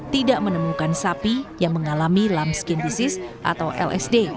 tidak menemukan sapi yang mengalami lamskin disease atau lsd